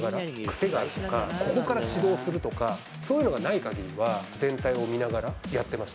癖があるとか、ここから始動するとか、そういうのがないかぎりは、全体を見ながら、やってました。